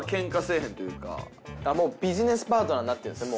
あっもうビジネスパートナーになってるんですね